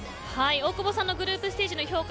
大久保さんのグループステージの評価